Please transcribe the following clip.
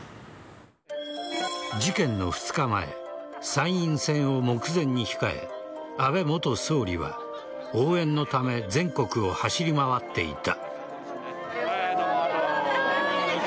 事件の２日前参院選を目前に控え安倍元総理は応援のため全国を走り回っていた。